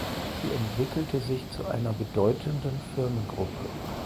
Sie entwickelte sich zu einer bedeutenden Firmengruppe.